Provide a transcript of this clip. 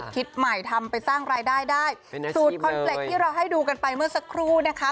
คิดใหม่ทำไปสร้างรายได้ได้สูตรคอนเฟลต์ที่เราให้ดูกันไปเมื่อสักครู่นะคะ